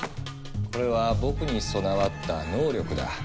これは僕に備わった「能力」だ。